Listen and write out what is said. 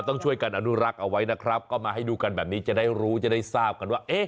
ต้องช่วยกันอนุรักษ์เอาไว้นะครับก็มาให้ดูกันแบบนี้จะได้รู้จะได้ทราบกันว่าเอ๊ะ